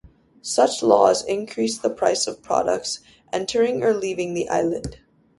Such laws increase the price of products entering or leaving the island.